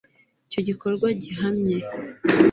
icyo gikorwa gihamye